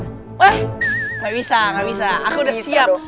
eh gak bisa gak bisa aku udah siap